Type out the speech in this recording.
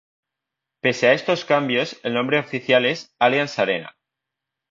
Pese a estos cambios, el nombre oficial es Allianz Arena.